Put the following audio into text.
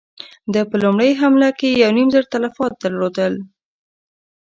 ده په لومړۍ حمله کې يو نيم زر تلفات درلودل.